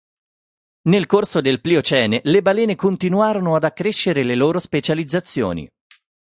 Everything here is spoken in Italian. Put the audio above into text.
Nel corso del Pliocene le balene continuarono ad accrescere le loro specializzazioni.